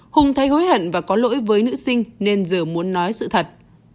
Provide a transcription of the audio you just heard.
hùng thấy hối hận và có lỗi với nữ sinh nên giờ muốn nói sự thật